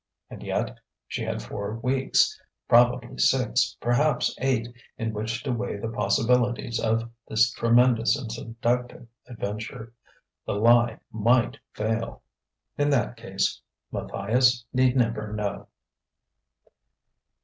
And yet she had four weeks, probably six, perhaps eight, in which to weigh the possibilities of this tremendous and seductive adventure. "The Lie" might fail.... In that case, Matthias need never know.